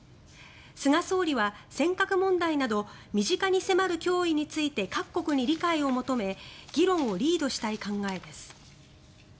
菅総理は尖閣問題など身近に迫る脅威について各国に理解を求め議論をリードしたい考えです。